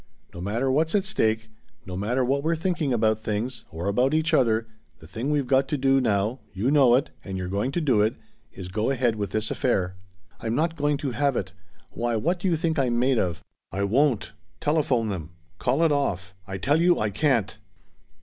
No matter what's at stake no matter what we're thinking about things or about each other the thing we've got to do now you know it and you're going to do it is go ahead with this affair." "I'm not going to have it! Why what do you think I'm made of? I won't. Telephone them. Call it off. I tell you I can't."